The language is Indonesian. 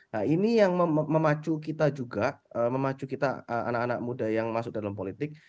nah ini yang memacu kita juga memacu kita anak anak muda yang masuk dalam politik